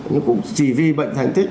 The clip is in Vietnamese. nhưng cũng chỉ vì bệnh thành tích